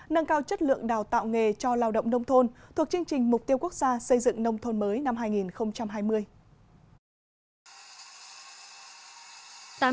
nâng cao chất lượng đào tạo nghề cho lao động nông thôn thuộc chương trình mục tiêu quốc gia xây dựng nông thôn mới năm hai nghìn hai mươi